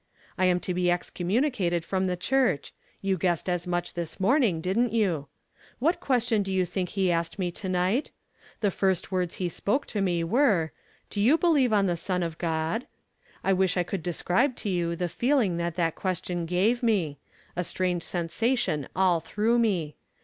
I am to be excommunicated from the church; you guessed as much this morn ing, didn't you ? What question do you think he asked me to night? The firet words he spoke to me were :' Do you believe on the Son of God ?' I wish I could describe to you the feeling that that question gave me — a strange sensation all through me.